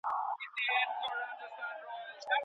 بد انسان تل درواغ وايي